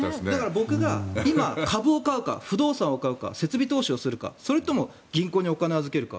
僕が今、株を買うか不動産を買うか設備投資をするかそれとも銀行にお金を預けるか。